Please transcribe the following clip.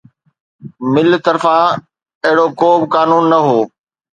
مل طرفان اهڙو ڪو به قانون نه هو